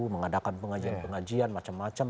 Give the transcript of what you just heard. mengadakan pengajian pengajian macam macam